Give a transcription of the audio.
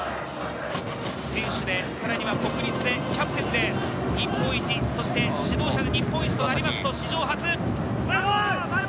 選手で、さらに国立で、キャプテンで日本一、そして指導者で日本一となりますと史上初。